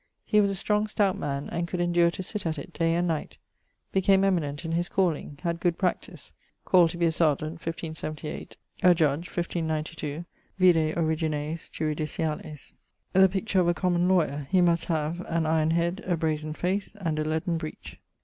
He was a strong, stout man, and could endure to sit at it day and night[LIX.]; became eminent in his calling, had good practise; called to be a Serjeant <1578>, a Judge <1592>: vide Origines Juridiciales. [LIX.] The picture of a common law(y)er: He must have 'an iron head, a brazen face, and a leaden breech.'